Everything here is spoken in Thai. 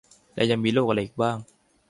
แล้วยังมีโรคอะไรอีกบ้าง